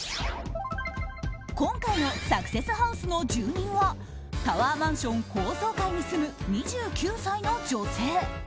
今回のサクセスハウスの住人はタワーマンション高層階に住む２９歳の女性。